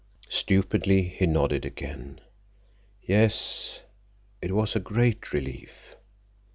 Stupidly he nodded again. "Yes, it was a great relief."